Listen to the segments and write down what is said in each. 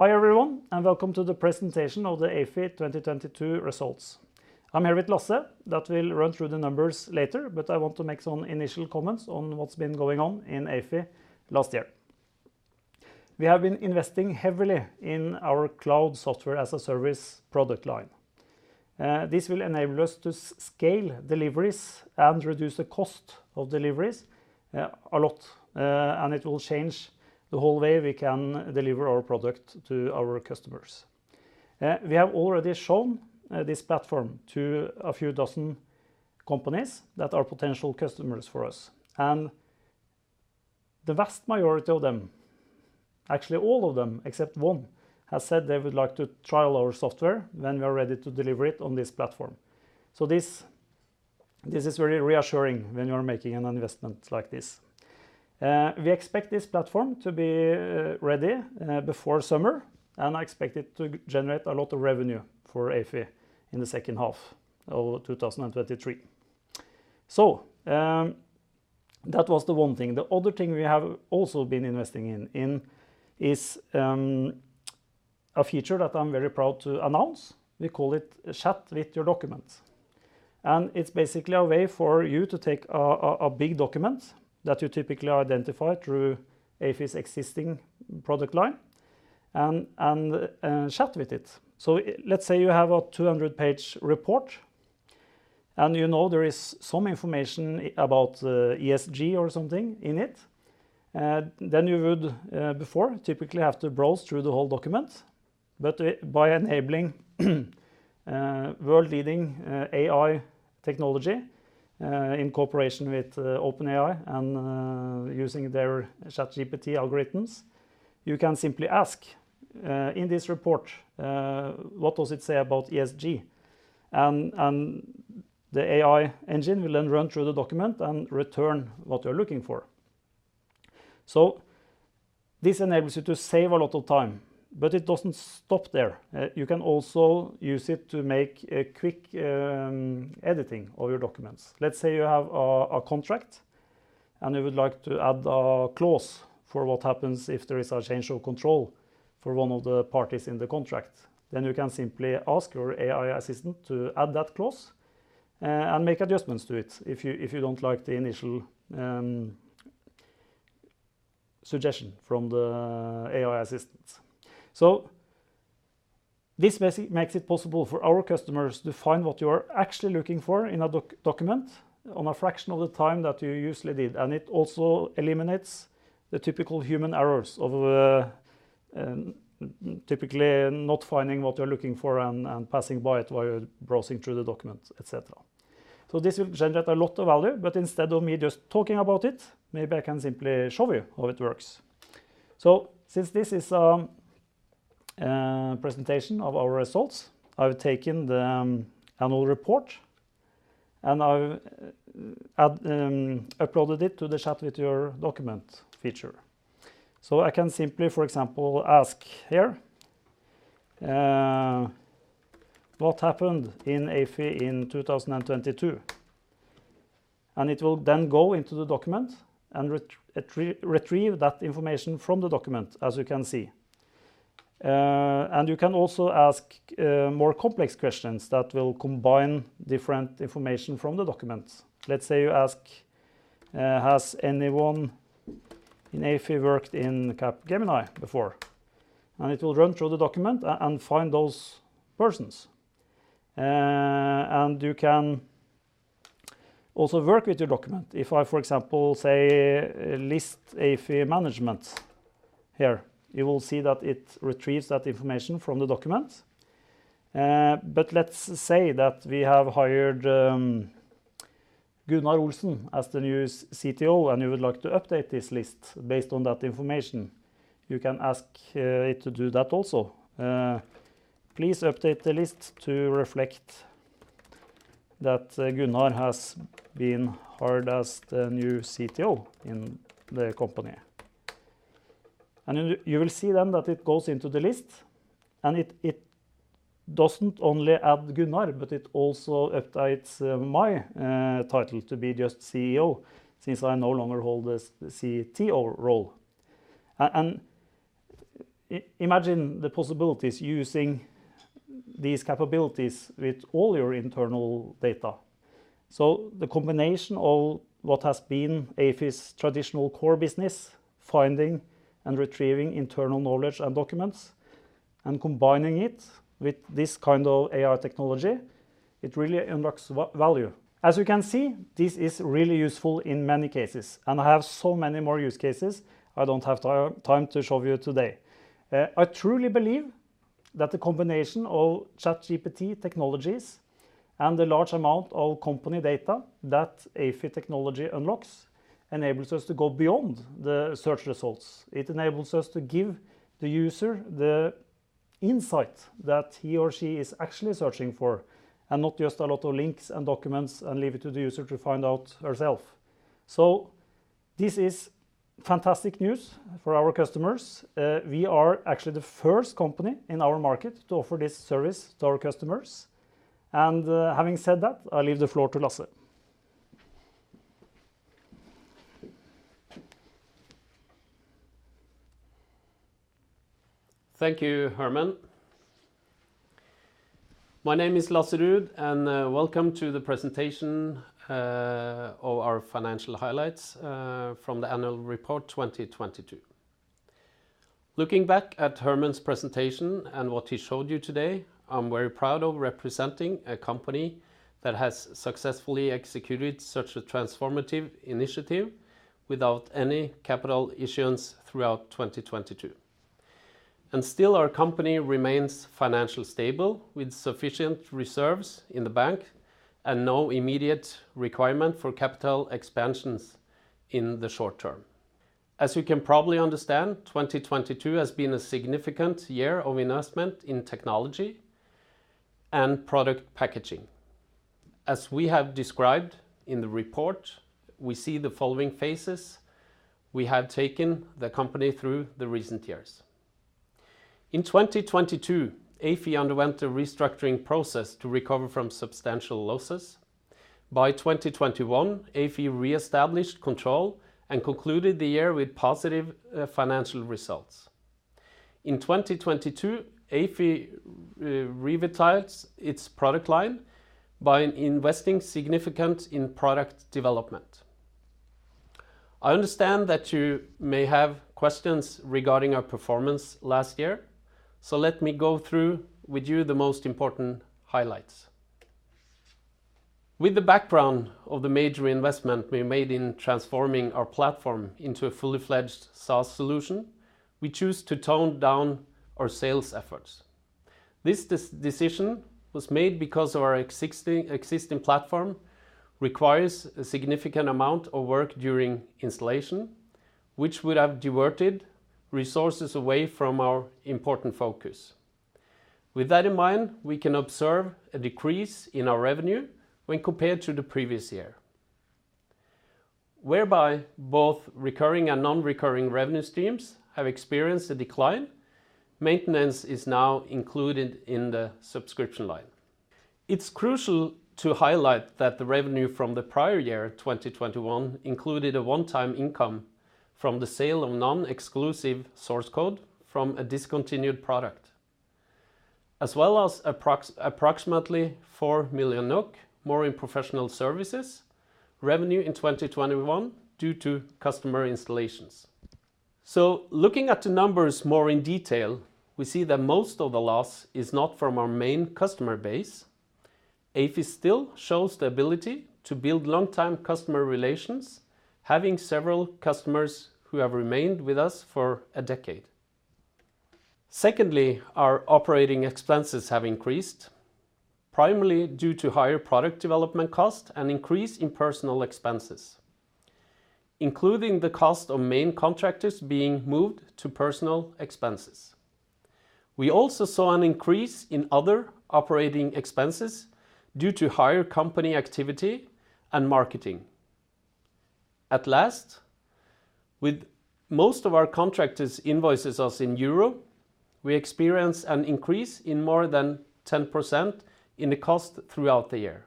Hi, everyone, and welcome to the presentation of the Ayfie 2022 results. I'm here with Lasse that will run through the numbers later, but I want to make some initial comments on what's been going on in Ayfie last year. We have been investing heavily in our cloud Software as a Service product line. This will enable us to scale deliveries and reduce the cost of deliveries a lot, and it will change the whole way we can deliver our product to our customers. We have already shown this platform to a few dozen companies that are potential customers for us, and the vast majority of them, actually, all of them except one, have said they would like to trial our software when we are ready to deliver it on this platform. This is very reassuring when you are making an investment like this. We expect this platform to be ready before summer, and I expect it to generate a lot of revenue for Ayfie in the second half of 2023. That was the one thing. The other thing we have also been investing in is a feature that I'm very proud to announce. We call it Chat with Your Documents, and it's basically a way for you to take a big document that you typically identify through Ayfie's existing product line and chat with it. Let's say you have a 200-page report, and you know there is some information about ESG or something in it, then you would before typically have to browse through the whole document. By enabling world-leading AI technology in cooperation with OpenAI and using their ChatGPT algorithms, you can simply ask in this report, what does it say about ESG? The AI engine will then run through the document and return what you're looking for. This enables you to save a lot of time, but it doesn't stop there. You can also use it to make a quick editing of your documents. Let's say you have a contract, and you would like to add a clause for what happens if there is a change of control for one of the parties in the contract. You can simply ask your AI assistant to add that clause and make adjustments to it if you, if you don't like the initial suggestion from the AI assistants. This makes it possible for our customers to find what you are actually looking for in a document on a fraction of the time that you usually did, and it also eliminates the typical human errors of typically not finding what you're looking for and passing by it while you're browsing through the document, et cetera. This will generate a lot of value, but instead of me just talking about it, maybe I can simply show you how it works. Since this is a presentation of our results, I've taken the annual report, and I've uploaded it to the Chat with Your Documents feature. I can simply, for example, ask here, what happened in Ayfie in 2022? It will then go into the document and retrieve that information from the document, as you can see. You can also ask more complex questions that will combine different information from the document. Let's say you ask, has anyone in Ayfie worked in Capgemini before? It will run through the document and find those persons. You can also work with your document. If I, for example, say, list Ayfie management here, you will see that it retrieves that information from the document. Let's say that we have hired Gunnar Olsen as the new CTO, and you would like to update this list based on that information. You can ask it to do that also. Please update the list to reflect that Gunnar has been hired as the new CTO in the company. You will see that it goes into the list, and it doesn't only add Gunnar, but it also updates my title to be just CEO since I no longer hold the CTO role. Imagine the possibilities using these capabilities with all your internal data. The combination of what has been Ayfie's traditional core business, finding and retrieving internal knowledge and documents, and combining it with this kind of AI technology, it really unlocks value. As you can see, this is really useful in many cases, and I have so many more use cases I don't have time to show you today. I truly believe that the combination of ChatGPT technologies and the large amount of company data that Ayfie technology unlocks enables us to go beyond the search results. It enables us to give the user the insight that he or she is actually searching for, and not just a lot of links and documents and leave it to the user to find out herself. This is fantastic news for our customers. We are actually the first company in our market to offer this service to our customers. Having said that, I leave the floor to Lasse. Thank you, Herman. My name is Lasse Ruud, and welcome to the presentation of our financial highlights from the annual report 2022. Looking back at Herman's presentation and what he showed you today, I'm very proud of representing a company that has successfully executed such a transformative initiative without any capital issuance throughout 2022. Still our company remains financially stable with sufficient reserves in the bank and no immediate requirement for capital expansions in the short term. As you can probably understand, 2022 has been a significant year of investment in technology and product packaging. As we have described in the report, we see the following phases we have taken the company through the recent years. In 2022, Ayfie underwent a restructuring process to recover from substantial losses. By 2021, Ayfie reestablished control and concluded the year with positive financial results. In 2022, Ayfie revitalized its product line by investing significant in product development. I understand that you may have questions regarding our performance last year, so let me go through with you the most important highlights. With the background of the major investment we made in transforming our platform into a fully fledged SaaS solution, we choose to tone down our sales efforts. This decision was made because our existing platform requires a significant amount of work during installation, which would have diverted resources away from our important focus. With that in mind, we can observe a decrease in our revenue when compared to the previous year, whereby both recurring and non-recurring revenue streams have experienced a decline. Maintenance is now included in the subscription line. It's crucial to highlight that the revenue from the prior year, 2021, included a one-time income from the sale of non-exclusive source code from a discontinued product, as well as approximately 4 million NOK more in professional services revenue in 2021 due to customer installations. Looking at the numbers more in detail, we see that most of the loss is not from our main customer base. Ayfie still shows the ability to build long-time customer relations, having several customers who have remained with us for a decade. Secondly, our operating expenses have increased, primarily due to higher product development cost and increase in personal expenses, including the cost of main contractors being moved to personal expenses. We also saw an increase in other operating expenses due to higher company activity and marketing. At last, with most of our contractors invoices us in EUR, we experience an increase in more than 10% in the cost throughout the year.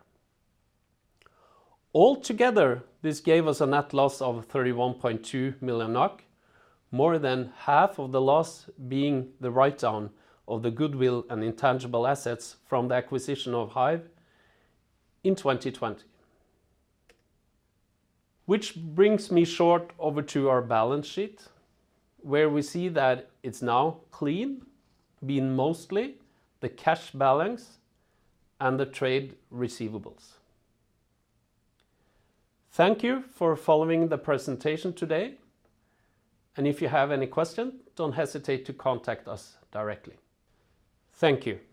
Altogether, this gave us a net loss of 31.2 million NOK, more than half of the loss being the write-down of the goodwill and intangible assets from the acquisition of Haive in 2020. Which brings me short over to our balance sheet, where we see that it's now clean, being mostly the cash balance and the trade receivables. Thank you for following the presentation today. If you have any question, don't hesitate to contact us directly. Thank you.